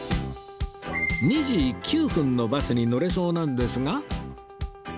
２時９分のバスに乗れそうなんですが